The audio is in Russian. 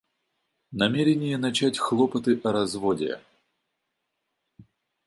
Намерение начать хлопоты о разводе.